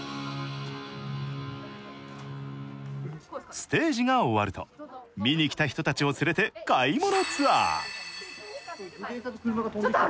ステージが終わると見に来た人たちを連れて買い物ツアー。